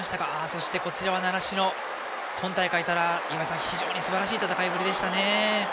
そして習志野、今大会から非常にすばらしい戦いぶりでした。